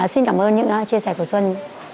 xin cảm ơn những chia sẻ của xuân